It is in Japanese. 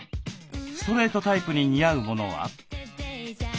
ストレートタイプに似合うものは？